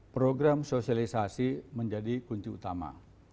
program sosialisasi menjadi kunci utama